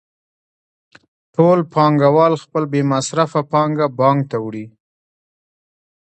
ټول پانګوال خپله بې مصرفه پانګه بانک ته وړي